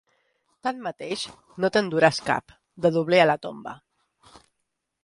Tanmateix no te'n duràs cap, de dobler a la tomba!